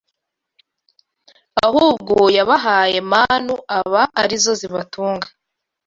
ahubwo yabahaye manu aba arizo zibatunga